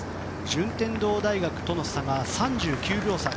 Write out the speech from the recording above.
順天堂大学との差が３９秒差。